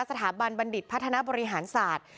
สถาบันบันดิตพัฒนบริหารศาสตร์